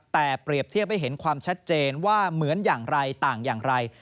แต่เปรียบเทียบให้เห็นความชัดเจนว่าเหมือนอย่างไรต่างอย่างไร